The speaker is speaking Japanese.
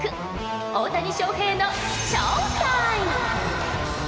大谷翔平の翔タイム！